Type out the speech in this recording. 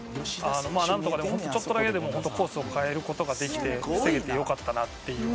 なんとか、ちょっとだけでもコースを変えることができて防げてよかったなっていう